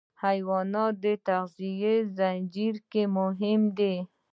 حیوانات د تغذیې زنجیر کې مهم دي.